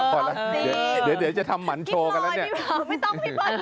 พอแล้วเดี๋ยวจะทำหมันโชว์กันแล้วเนี่ย